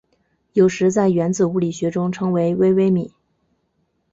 有时在原子物理学中称为微微米。